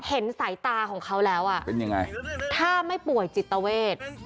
เห็นสายตาของเขาแล้วอ่ะเป็นยังไงถ้าไม่ป่วยจิตเวท